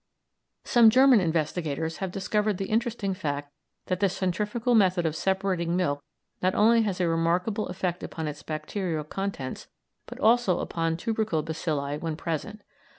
Some German investigators have discovered the interesting fact that the centrifugal method of separating milk not only has a remarkable effect upon its bacterial contents, but also upon tubercle bacilli when present.